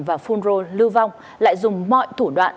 và phun rô lưu vong lại dùng mọi thủ đoạn